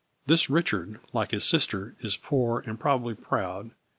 This Richard, like his sister, is poor and prob ably proud.